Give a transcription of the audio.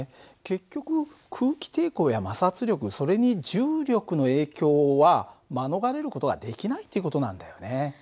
結局空気抵抗や摩擦力それに重力の影響は免れる事はできないっていう事なんだよね。